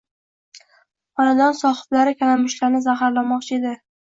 Xonadon sohiblari kalamushlarni zaharlamoqchi edi.